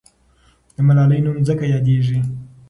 د ملالۍ نوم ځکه یاديږي.